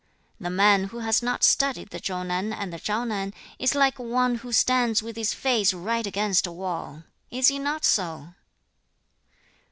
The man who has not studied the Chau nan and the Shao nan, is like one who stands with his face right against a wall. Is he not so?'